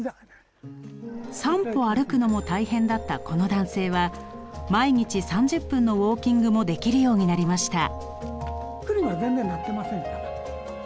３歩歩くのも大変だったこの男性は毎日３０分のウォーキングもできるようになりました。